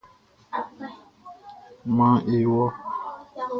Maan e wɔ.